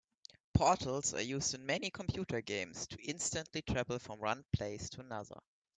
Portals are used in many computer games to instantly travel from one place to another.